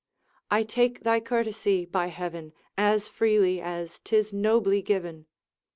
'I take thy courtesy, by heaven, As freely as 'tis nobly given!'